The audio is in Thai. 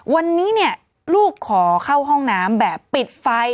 วันนี้เนี่ยลูกขอเข้าห้องน้ำแบบปิดไฟ